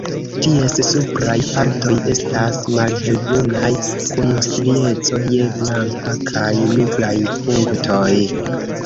Ties supraj partoj estas malhelbrunaj kun strieco je blanka kaj nigraj punktoj.